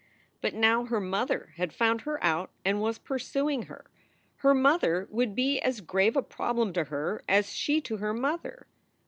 But now her mother had found her out and was pursuing her. Her mother would be as grave a problem to her as she to her mother.